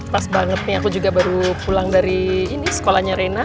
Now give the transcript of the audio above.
pas banget nih aku juga baru pulang dari sekolahnya reina